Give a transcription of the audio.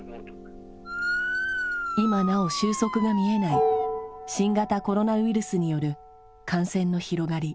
今なお終息が見えない新型コロナウイルスによる感染の広がり。